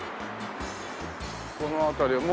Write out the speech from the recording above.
この辺りは。